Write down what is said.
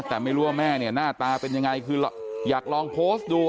แต่ไม่รู้ว่าแม่เนี่ยหน้าตาเป็นยังไงคืออยากลองโพสต์ดู